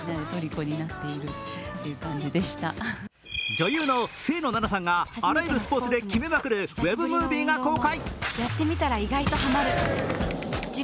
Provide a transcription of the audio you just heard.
女優の清野菜名さんがあらゆるスポ−ツで決めまくるウェブムービーが公開。